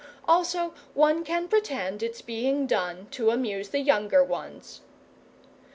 Also one can pretend it's being done to amuse the younger ones.